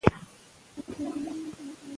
پوهه باید د ذهن د پیاوړي کولو لپاره وي.